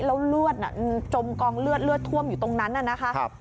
แล้วเลือดจมกองเลือดเลือดท่วมอยู่ตรงนั้นน่ะนะคะ